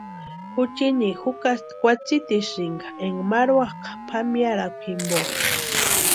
Juchini jukasti kwatsitisïnka énka marhuakʼa pʼamearhakwa jimpo.